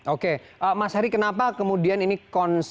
oke mas hari kenapa kemudian ini konsentrasi